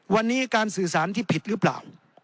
วันนี้การสื่อสารที่ผิดหรือเปล่า